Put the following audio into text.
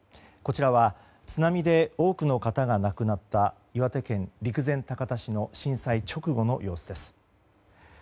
こちらは、津波で多くの方が亡くなった岩手県陸前高田市の震災直後の様子です。